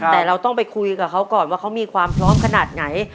แต่เราต้องไปคุยกับเขาก่อนว่าเขามีความพร้อมขนาดไหน